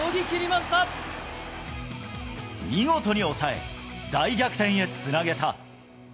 見事に抑え、大逆転へつなげた。